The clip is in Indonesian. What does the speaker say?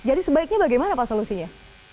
jadi sebaiknya bagaimana pak solusinya